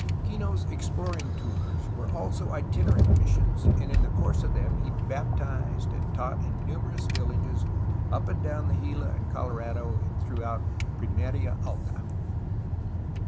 Kinoes exploring tours were also itinerant missions, and in the course of them he baptized and taught in numer ous villages up and down the Gila and Colorado and through out Pimeria Alta.